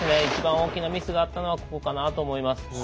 一番大きなミスだったのはここかなと思います。